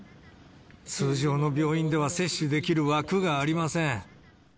通常の病院では接種できる枠がありません。